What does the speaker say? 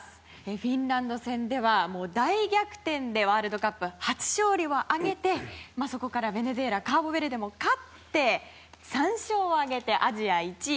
フィンランド戦では大逆転でワールドカップ初勝利を挙げてそこからベネズエラカーボベルデも勝って３勝を挙げアジア１位。